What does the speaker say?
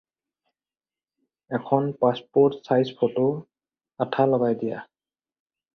এখন পাছপ'র্ট size photo আঠা লগাই দিয়া।